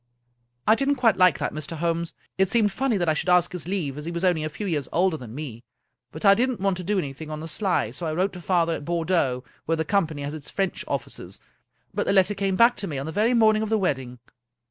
I didn't quite like that, Mr. Holmes. It seemed funny that I should ask his leave, as he was only a few years older than me ; but I didn't want to do an)rthing on the sly, so I wrote to father at Bordeaux, where the com pany has its French offices, but the letter came back to me on the very morning of the wedding."